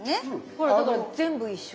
ほらだから全部一緒。